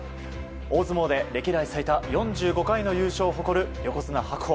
大相撲で歴代最多４５回の優勝を誇る横綱・白鵬。